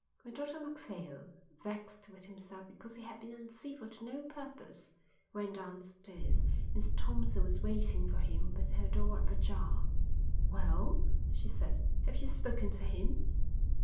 When Dr Macphail, vexed with himself because he had been uncivil to no purpose, went downstairs, Miss Thompson was waiting for him with her door ajar. "Well," she said, "have you spoken to him?"